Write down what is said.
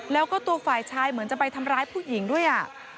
แล้วก็ตัวฝ่ายชายเหมือนจะไปทำร้ายผู้หญิงด้วย